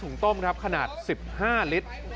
งต้มครับขนาด๑๕ลิตร